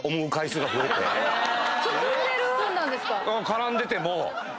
⁉絡んでても。